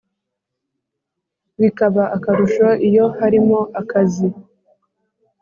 Bikaba akarusho iyo harimo akazi